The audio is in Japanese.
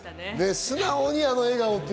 素直にあの笑顔。